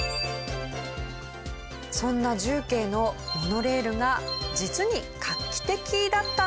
そんな重慶のモノレールが実に画期的だったんです！